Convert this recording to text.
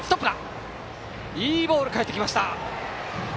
いいボールが返ってきました。